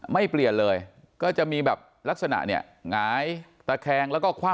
ไม่เปลี่ยนเลยก็จะมีแบบลักษณะเนี่ยหงายตะแคงแล้วก็คว่ำ